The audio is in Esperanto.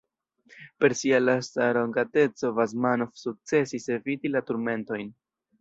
Per sia lasta aroganteco Basmanov sukcesis eviti la turmentojn.